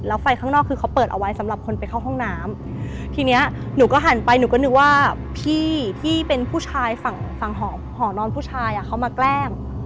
แล้วไฟข้างนอกคือเขาเปิดเอาไว้สำหรับคนไปเข้าห้องน้ำทีเนี้ยหนูก็หันไปหนูก็นึกว่าพี่ที่เป็นผู้ชายฝั่งฝั่งหอนอนผู้ชายอ่ะเขามาแกล้ง